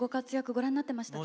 ご覧になってましたか？